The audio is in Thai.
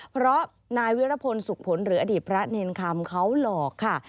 เพราะนายวิรพลสุขผลหรืออดีตพระเนรคำเขาหลอกค่ะ